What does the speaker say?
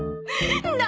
何？